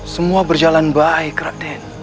semua berjalan baik ratin